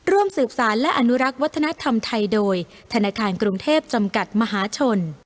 ร่วมสืบสารและอนุรักษ์วัฒนธรรมไทยโดยธนาคารกรุงเทพจำกัดมหาชน